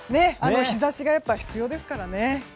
日差しが必要ですからね！